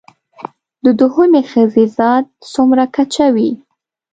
د دوهمې ښځې ذات څومره کچه وي